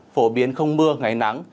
phổ biến không mưa ngày nắng